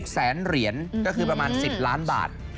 แสนเหรียญก็คือประมาณ๑๐ล้านบาท